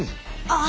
あ！